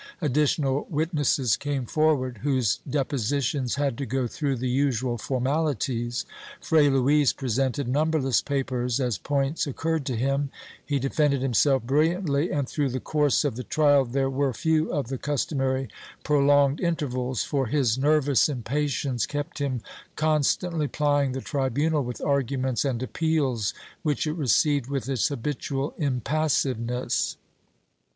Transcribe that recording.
Additional witnesses came for ward, whose depositions had to go through the usual formalities ; Fray Luis presented numberless papers as points occurred to him; he defended himself brilliantly and, through the course of the trial there were few of the customary prolonged intervals, for his nervous impatience kept him constantly plying the tribunal with arguments and appeals which it received with its habitual impas siveness.